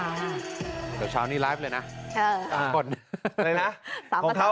เดี๋ยวเช้านี้ไลฟ์เลยนะ